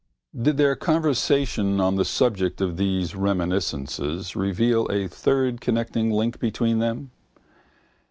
Did their conversation on the subject of these reminiscences reveal a third connecting link between them?